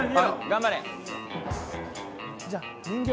頑張れ！